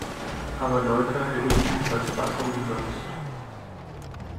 Arme Leute erhielten das Wasser umsonst.